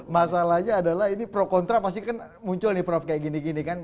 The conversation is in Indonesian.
masalahnya adalah ini pro kontra pasti kan muncul nih prof kayak gini gini kan